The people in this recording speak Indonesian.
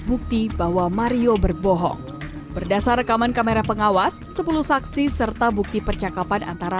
bukti bahwa mario berbohong berdasar rekaman kamera pengawas sepuluh saksi serta bukti percakapan antara